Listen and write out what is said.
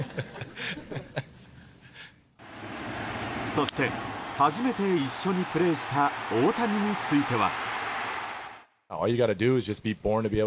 そして初めて一緒にプレーした大谷については。